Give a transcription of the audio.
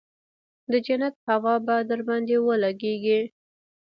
د جنت هوا به درباندې ولګېګي.